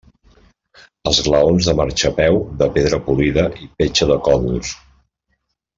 Esglaons de marxapeu de pedra polida i petja de còdols.